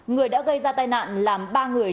người đã gây ra tai nạn làm ba người